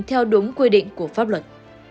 theo đúng quy định của pháp luật